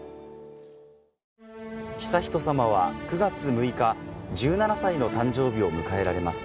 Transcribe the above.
悠仁さまは９月６日１７歳の誕生日を迎えられます。